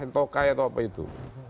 atau kaya atau apa itu